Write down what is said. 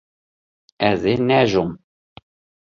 Ez ê neajom.